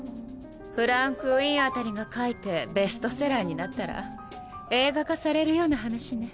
フランク・ウインあたりが書いてベストセラーになったら映画化されるような話ね。